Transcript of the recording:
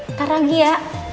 ntar lagi ya